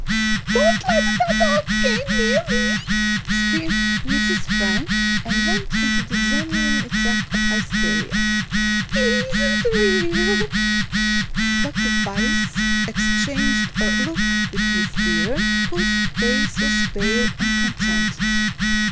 "Don't let that dog come near me!" screamed Mrs. Frank and went into a genuine attack of hysteria. "He isn't real!" Doctor Parris exchanged a look with Miss Beaver, whose face was pale but contented.